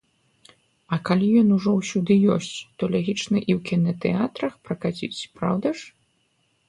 А калі ён ужо ўсюды ёсць, то лагічна і ў кінатэатрах пракаціць, праўда ж?